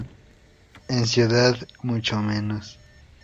En ciudad mucho menos.